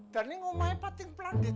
dan ini rumahnya paling pelanggit